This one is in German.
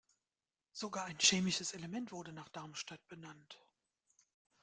Sogar ein chemisches Element wurde nach Darmstadt benannt.